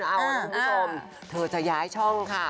อ้าวทุกผู้ชมเธอจะย้ายช่องค่ะ